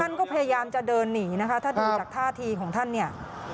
ท่านก็พยายามจะเดินหนีนะคะถ้าดูจากท่าทีของท่านเนี่ย